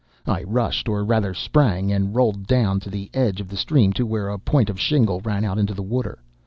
"I rushed, or rather sprang and rolled down to the edge of the stream to where a point of shingle ran out into the water.